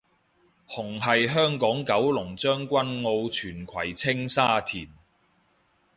紅係香港九龍將軍澳荃葵青沙田